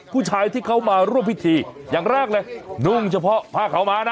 ผู้ชายที่เขามาร่วมพิธีอย่างแรกเลยนุ่งเฉพาะผ้าขาวม้านะ